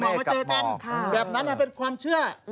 เมฆกายหมอกแบบนั้นเป็นความเชื่อ